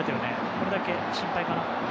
それだけ心配かな。